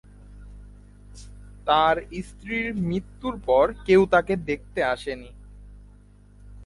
তার স্ত্রীর মৃত্যুর পর কেউ তাকে দেখতে আসে নি।